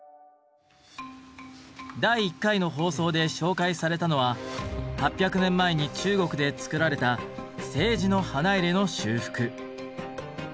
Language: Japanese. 第１回の放送で紹介されたのは８００年前に中国で作られた青磁の花入の修復。